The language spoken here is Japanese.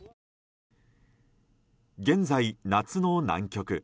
現在、夏の南極。